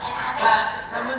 oh jualan enak